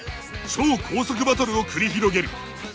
超高速バトルを繰り広げる！